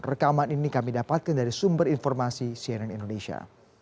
rekaman ini kami dapatkan dari sumber informasi cnn indonesia